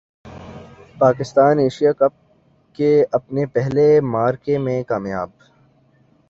Pakistan Asia cup کے اپنے پہلے معرکے میں کامیاب